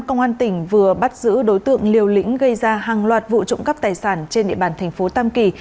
công an tỉnh vừa bắt giữ đối tượng liều lĩnh gây ra hàng loạt vụ trộm cắp tài sản trên địa bàn thành phố tam kỳ